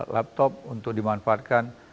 laptop untuk dimanfaatkan